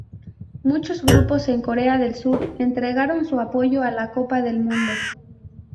Muchos grupos en Corea del Sur entregaron su apoyo a la Copa del Mundo.